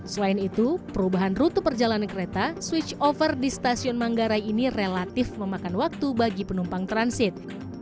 selain itu perubahan rute perjalanan kereta switch over di stasiun manggarai ini relatif memakan waktu bagi penumpang transit